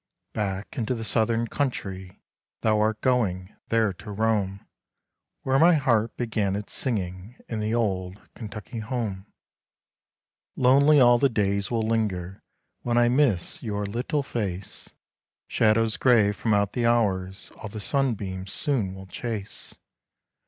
Back into the Southern country, Thou art going there to roam, Where my heart began its singing In the old Kentucky home. Lonely all the days will linger, When I miss your little face; Shadows gray, from out the hours, All the sunbeams soon will chase.